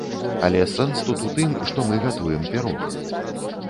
Але сэнс тут у тым, што мы гатуем пірог.